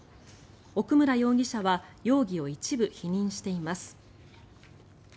奥村容疑者は容疑を一部否認しています。